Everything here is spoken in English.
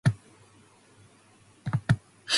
kimekuwepo kwa miaka mingi.